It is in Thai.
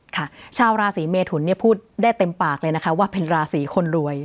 ค่ะชาวราศีเมทุนเนี่ยพูดได้เต็มปากเลยนะคะว่าเป็นราศีคนรวย